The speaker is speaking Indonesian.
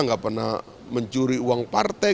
nggak pernah mencuri uang partai